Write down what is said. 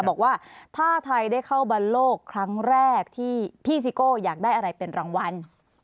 บอกว่าถ้าไทยได้เข้าบรรโลกครั้งแรกที่พี่ซิโก้อยากได้อะไรเป็นรางวัล